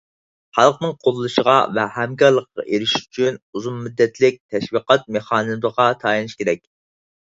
خەلقنىڭ قوللىشىغا ۋە ھەمكارلىقىغا ئېرىشىش ئۈچۈن ئۇزۇن مۇددەتلىك تەشۋىقات مېخانىزىمىغا تايىنىش كېرەك.